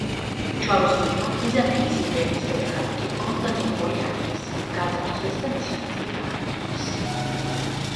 ჯვაროსნებმა ბიზანტიის იმპერიის დედაქალაქი კონსტანტინოპოლი აიღეს, გაძარცვეს და მისი ნაწილი გაანადგურეს.